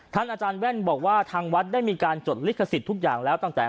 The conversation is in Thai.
อาจารย์แว่นบอกว่าทางวัดได้มีการจดลิขสิทธิ์ทุกอย่างแล้วตั้งแต่